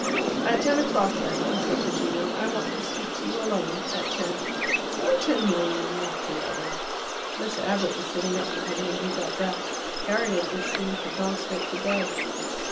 "At ten o'clock, then," he said to Gino. "I want to speak to you alone. At ten." "Certainly!" laughed the other. Miss Abbott was sitting up for him when he got back. Harriet, it seemed, had gone straight to bed.